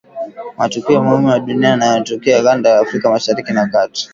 matukio muhimu ya dunia na yanayotokea kanda ya Afrika Mashariki na Kati